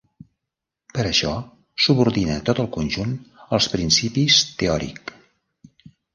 Per això subordina tot el conjunt als principis teòric.